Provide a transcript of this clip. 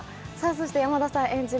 山田さん演じる